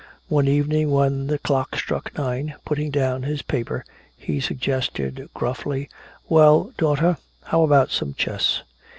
One evening when the clock struck nine, putting down his paper he suggested gruffly, "Well, daughter, how about some chess?"